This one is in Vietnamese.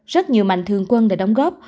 rất nhiều mạnh thường quân đã đóng góp